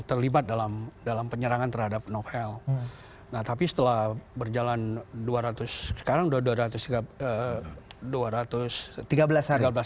terlibat dalam dalam penyerangan terhadap novel nah tapi setelah berjalan dua ratus sekarang dua ribu dua ratus tiga belas dua ratus tiga belas